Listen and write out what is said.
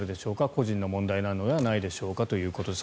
個人の問題ではないのですかということです。